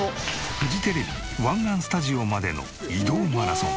フジテレビ湾岸スタジオまでの移動マラソン。